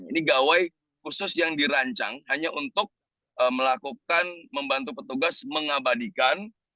ini gawai khusus yang dirancang hanya untuk melakukan membantu petugas mengabadikan